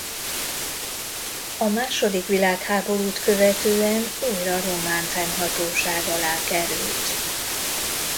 A második világháborút követően újra román fennhatóság alá került.